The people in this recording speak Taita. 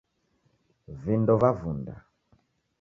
Vindo vavunda